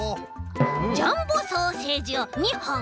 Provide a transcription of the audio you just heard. ジャンボソーセージを２ほん！